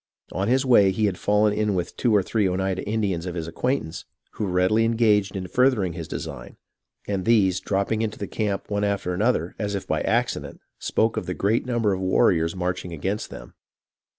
On his way he had fallen in with two or three Oneida Indians of his acquaintance, who readily engaged in furthering his design, and these, drop ping into the camp one after another, as if by accident, spoke of the great number of warriors marching against them.